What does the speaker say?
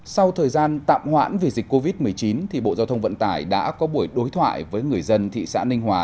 sau thời gian tạm hoãn vì dịch covid một mươi chín bộ giao thông vận tải đã có buổi đối thoại với người dân thị xã ninh hòa